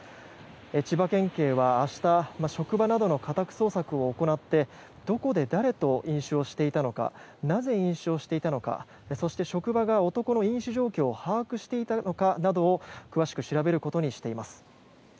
千葉県警は明日、職場などの家宅捜索を行ってどこで誰と飲酒していたのかなぜ、飲酒をしていたのかそして、職場が男の飲酒状況を把握していたのかなど詳しく調べることにしています。